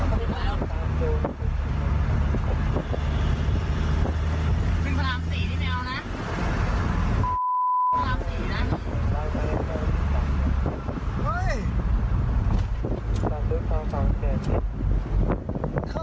ขึ้นประลำสี่ด้วยขึ้นประลำสี่ไหมล่ะขึ้นประลำสี่มาจริงจริง